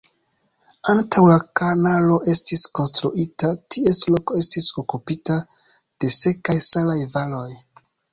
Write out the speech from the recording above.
Antaŭ la kanalo estis konstruita, ties loko estis okupita de sekaj salaj valoj.